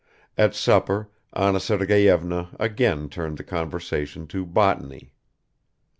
At supper Anna Sergeyevna again turned the conversation to botany.